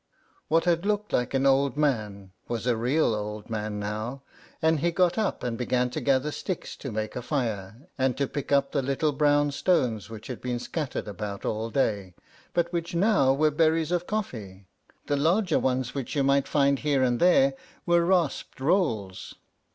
What had looked like an old man was a real old man now, and he got up and began to gather sticks to make a fire, and to pick up the little brown stones which had been scattered about all day, but which now were berries of coffee; the larger ones, which you might find here and there, were rasped rolls.